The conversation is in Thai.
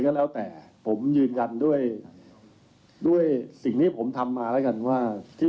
ก็แล้วแต่ผมยืนยันด้วยด้วยสิ่งที่ผมทำมาแล้วกันว่าที่